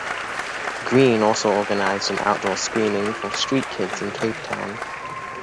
Greene also organized an outdoor screening for street kids in Cape Town.